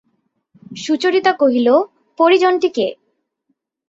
সুচরিতা কহিল, পরিজনটি কে?